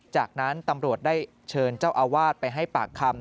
จากนั้นตำรวจได้เชิญเจ้าอาวาสไปให้ปากคำ